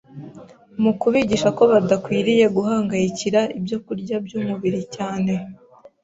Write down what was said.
mu kubigisha ko badakwiriye guhangayikira ibyokurya by’umubiri cyane